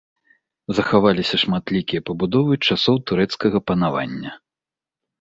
Захаваліся шматлікія пабудовы часоў турэцкага панавання.